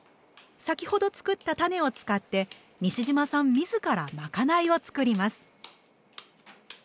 先ほど作ったたねを使って西島さん自らまかないを作ります。